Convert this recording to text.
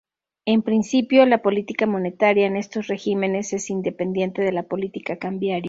En principio, la política monetaria en estos regímenes es independiente de la política cambiaria.